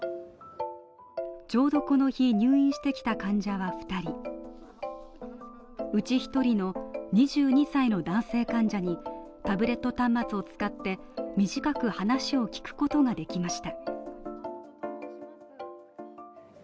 ちょうどこの日、入院してきた患者は２人うち１人の２２歳の男性患者にタブレット端末を使って短く話を聞くことができました。